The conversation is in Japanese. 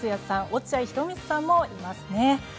落合博満さんもいますね。